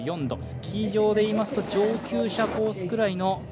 ３４度、スキー場でいいますと上級者コースぐらい。